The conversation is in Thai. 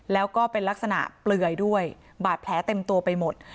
แล้วก็เป็นลักษณะเปลือยด้วยบาดแผลเต็มตัวไปหมด